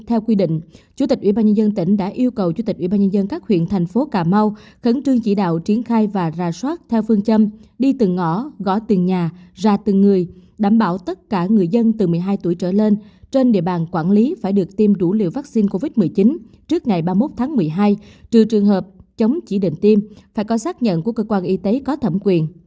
theo quy định chủ tịch ủy ban nhân dân tỉnh đã yêu cầu chủ tịch ủy ban nhân dân các huyện thành phố cà mau khấn trương chỉ đạo triển khai và ra soát theo phương châm đi từng ngõ gõ từng nhà ra từng người đảm bảo tất cả người dân từ một mươi hai tuổi trở lên trên địa bàn quản lý phải được tiêm đủ liều vaccine covid một mươi chín trước ngày ba mươi một tháng một mươi hai trừ trường hợp chống chỉ định tiêm phải có xác nhận của cơ quan y tế có thẩm quyền